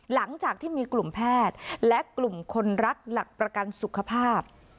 หลังจากที่มีกลุ่มแพทย์และกลุ่มคนรักหลักประกันสุขภาพ